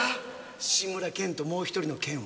志村けんともう１人のケンは？